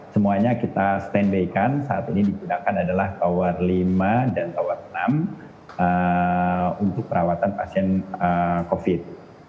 semuanya kita stand by kan saat ini digunakan adalah tower lima dan tower enam untuk perawatan pasien covid